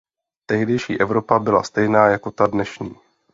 Tehdejší Evropa byla stejná jako ta dnešní.